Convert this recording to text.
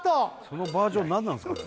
そのバージョン何なんですか？